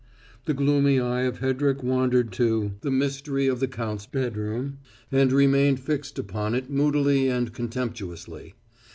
The gloomy eye of Hedrick wandered to "The Mystery of the Count's Bedroom," and remained fixed upon it moodily and contemptuously.